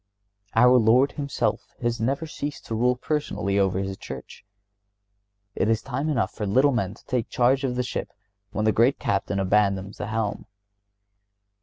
Our Lord Himself has never ceased to rule personally over His Church. It is time enough for little men to take charge of the Ship when the great Captain abandons the helm.